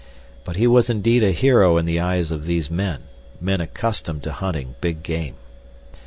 But he was indeed a hero in the eyes of these men—men accustomed to hunting big game.